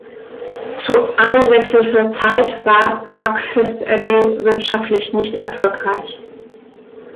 Zu angelsächsischer Zeit war Buckfast Abbey wirtschaftlich nicht erfolgreich.